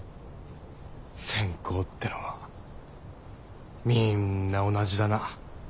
センコーってのはみんな同じだな。